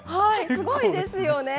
すごいですよね。